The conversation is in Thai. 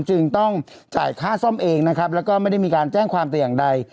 จึงต้องจ่ายค่าซ่อมเองนะครับแล้วก็ไม่ได้มีการแจ้งความแต่อย่างใด